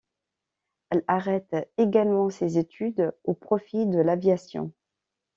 Elle arrête également ses études au profit de l'aviation.